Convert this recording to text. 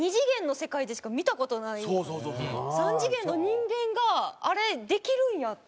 なんかもう３次元の人間があれできるんやって。